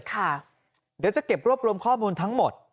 เดี๋ยวจะเก็บรวบรวมข้อมูลทั้งหมด